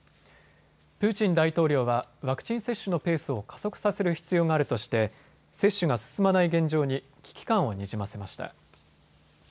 プーチン大統領はワクチン接種のペースを加速させる必要があるとして接種が進まない現状に危機感をにじませました。